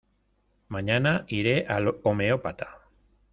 Mañana iré al homeópata.